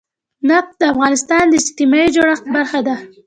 نفت د افغانستان د اجتماعي جوړښت برخه ده.